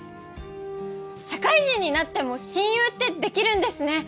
社会人になっても親友ってできるんですね。